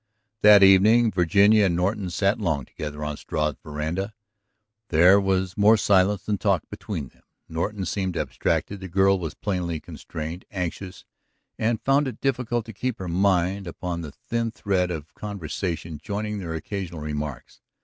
That evening Virginia and Norton sat long together on Struve's veranda. There was more silence than talk between them. Norton seemed abstracted; the girl was plainly constrained, anxious, and found it difficult to keep her mind upon the thin thread of conversation joining their occasional remarks.